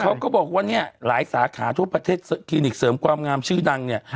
เขาก็บอกว่าเนี่ยหลายสาขาทั่วประเทศคลินิกเสริมความงามชื่อดังเนี่ย